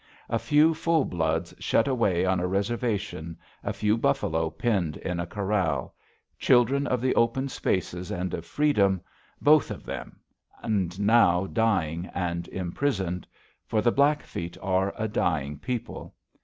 A few full bloods shut away on a reservation, a few buffalo penned in a corral children of the open spaces and of freedom, both of them, and now dying and imprisoned. For the Blackfeet are a dying people.